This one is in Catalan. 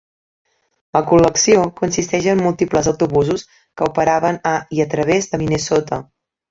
La col·lecció consisteix en múltiples autobusos que operaven a i a través de Minnesota.